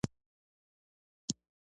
پټې غونډې کولې.